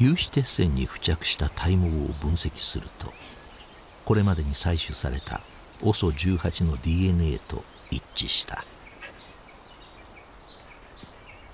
有刺鉄線に付着した体毛を分析するとこれまでに採取されたＯＳＯ１８のＤＮＡと一致した。